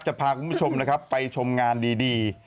จะพาคุณผู้ชมนะครับไปชมงานดี